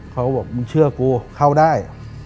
เขาบอกมึงเชื่อกูเข้าได้